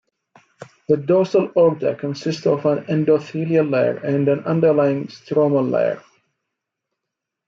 The dorsal aorta consists of an endothelial layer and an underlying stromal layer.